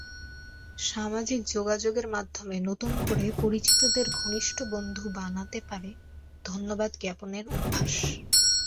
সামাজিক যোগাযোগের মাধ্যমে নতুন করে পরিচিতদের ঘনিষ্ঠ বন্ধু বানাতে পারে ধন্যবাদ জ্ঞাপনের অভ্যাস।